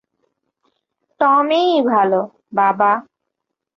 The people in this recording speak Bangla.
টমিই ভালো, বাবা!